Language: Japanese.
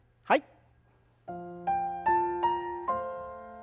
はい。